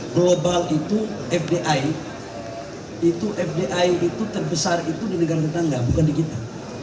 global itu fdi itu fdi itu terbesar itu di negara tetangga bukan di kita